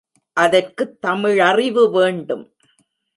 அதற்குத் தமிழறிவு வேண்டும்.